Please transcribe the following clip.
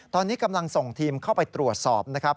ตอนนี้กำลังส่งทีมเข้าไปตรวจสอบนะครับ